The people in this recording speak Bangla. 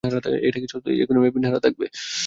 এটা কি সত্য অ্যাকোয়ারিয়ামে পিরানহা থাকবে?